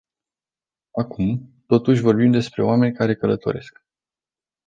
Acum, totuși, vorbim despre oameni care călătoresc.